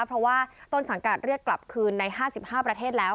เพราะว่าต้นสังกัดเรียกกลับคืนใน๕๕ประเทศแล้ว